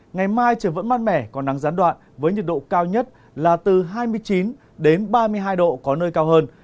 ngày mai trời vẫn mát mẻ có nắng gián đoạn với nhiệt độ cao nhất là từ hai mươi chín đến ba mươi hai độ có nơi cao hơn